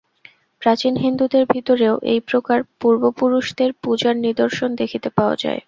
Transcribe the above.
প্রাচীন হিন্দুদের ভিতরেও এই প্রকার পূর্বপুরুষদের পূজার নিদর্শন দেখিতে পাওয়া যায়।